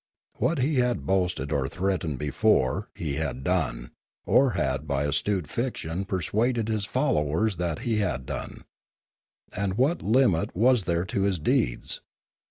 What he had boasted or threatened before, he had done, or had by astute fiction persuaded his followers that he had done; and what limit was there to his deeds